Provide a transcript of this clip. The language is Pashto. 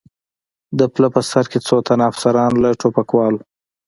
د پله په سر کې څو تنه افسران، له ټوپکوالو.